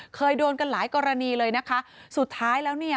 เคยโดนกันหลายกรณีเลยนะคะสุดท้ายแล้วเนี่ย